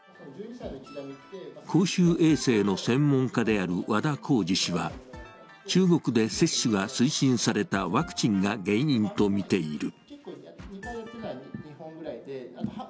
公衆衛生の専門家である和田耕治氏は、中国で接種が推進されたワクチンが原因とみている。